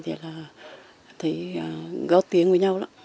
thì thấy gót tiếng với nhau lắm